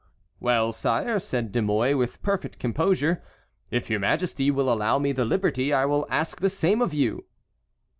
"Well, sire," said De Mouy, with perfect composure, "if your Majesty will allow me the liberty, I will ask the same of you."